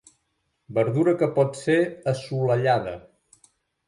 Verdura que pot ser assolellada.